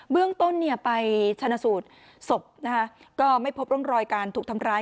เรื่องต้นไปชนะสูตรศพนะคะก็ไม่พบร่องรอยการถูกทำร้าย